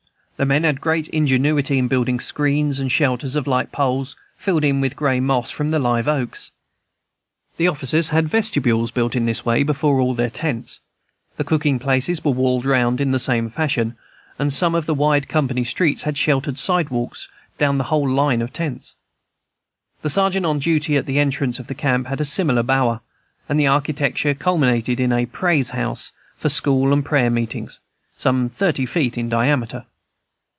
The men had great ingenuity in building screens and shelters of light poles, filled in with the gray moss from the live oaks. The officers had vestibules built in this way, before all their tents; the cooking places were walled round in the same fashion; and some of the wide company streets had sheltered sidewalks down the whole line of tents. The sergeant on duty at the entrance of the camp had a similar bower, and the architecture culminated in a "Praise House" for school and prayer meetings, some thirty feet in diameter.